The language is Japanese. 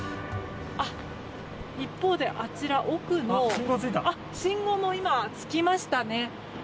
一方であちら、奥の信号も今、つきましたね。